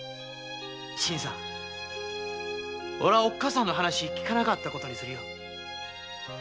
俺はおっかさんの話聞かなかったことにするよ。